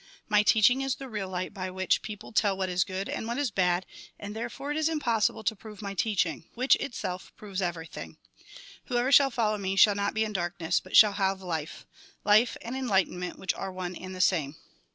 My teaching is the real light, by which people tell what is good and what is bad, and therefore it is impossible to prove my teaching ; which itself proves everything. Who ever shall follow me shall not be in darkness, but shall have life. Life and enlightenment, which are one and the same."